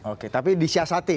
oke tapi disiasati